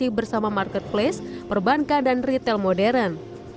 di bersama marketplace perbankan dan retail modern